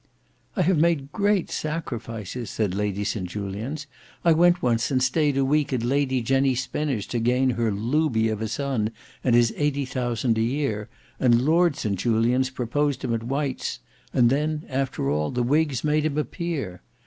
"I have made great sacrifices," said Lady St Julians. "I went once and stayed a week at Lady Jenny Spinner's to gain her looby of a son and his eighty thousand a year, and Lord St Julians proposed him at White's; and then after all the whigs made him a peer!